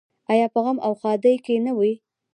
آیا په غم او ښادۍ کې نه وي؟